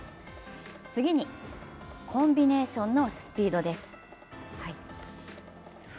次にコンビネーションのスピードです。